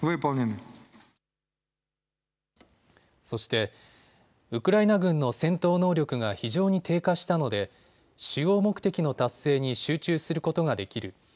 そしてウクライナ軍の戦闘能力が非常に低下したので主要目的の達成に集中することができる。